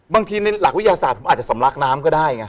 ในหลักวิทยาศาสตร์ผมอาจจะสำลักน้ำก็ได้ไง